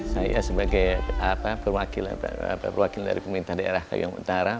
saya sebagai perwakilan dari pemerintah daerah kayung utara